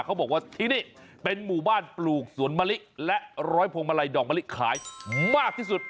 เขาบอกว่าที่นี่เป็นหมู่บ้านปลูกสวนมะลิและร้อยพวงมาลัยดอกมะลิขายมากที่สุด